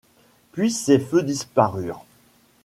Puis ces feux disparurent.